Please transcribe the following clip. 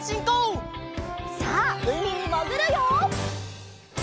さあうみにもぐるよ！